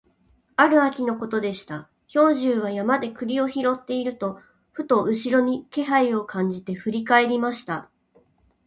ある秋のことでした、兵十は山で栗を拾っていると、ふと後ろに気配を感じて振り返りました。